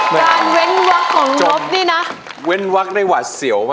แม่มีสุขใจ